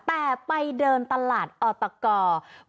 แต่ไปเดินตลาดออตก